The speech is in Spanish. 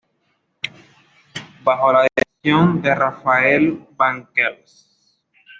Bajo la dirección de Rafael Banquells.